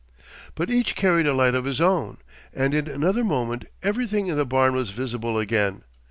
But each carried a light of his own, and in another moment everything in the barn was visible again.